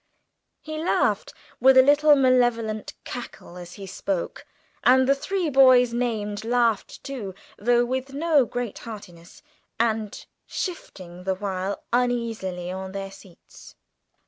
He laughed with a little malevolent cackle as he spoke, and the three boys named laughed too, though with no great heartiness, and shifting the while uneasily on their seats.